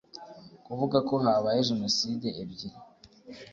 Kuvuga ko habaye jenoside ebyiri